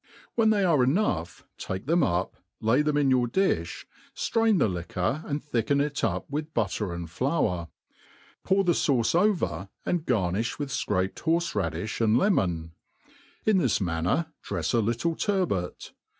When they are enough, uke them up, lay them m your diO?t firaio the liquor, and thicken it i|p with butter and flour* Pour the fauce over, and garnifh with fcraped borfe> raddi^ and leaK>n. In this manner drefs a little turbot.